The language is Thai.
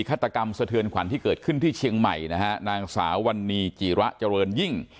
ฆาตกรรมสะเทือนขวัญที่เกิดขึ้นที่เชียงใหม่นะฮะนางสาววันนี้จิระเจริญยิ่ง